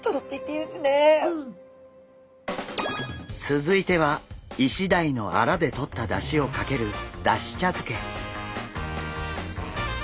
続いてはイシダイのアラでとっただしをかけるだし茶漬け。